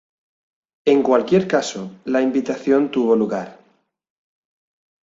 En cualquier caso, la invitación tuvo lugar.